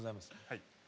はい。